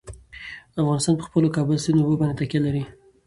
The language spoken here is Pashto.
افغانستان په خپلو کابل سیند اوبو باندې تکیه لري.